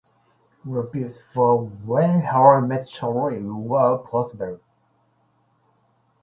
Reviews for "When Harry Met Sally..." were positive.